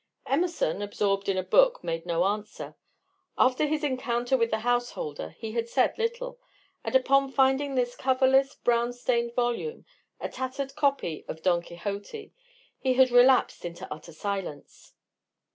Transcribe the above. Emerson, absorbed in a book, made no answer. After his encounter with the householder he had said little, and upon finding this coverless, brown stained volume a tattered copy of Don Quixote he had relapsed into utter silence.